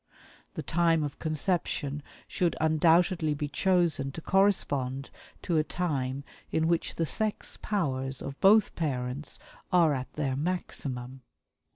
The time of conception should undoubtedly be chosen to correspond to a time in which the sex powers of both parents are at their maximum.